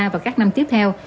và các năm tiếp theo